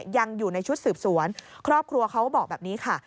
ยังอยู่ในชุดสืบสวนครอบครัวเขาก็บอกแบบนี้ค่ะ